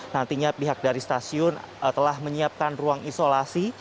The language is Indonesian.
nantinya pihak dari stasiun telah menyiapkan ruang isolasi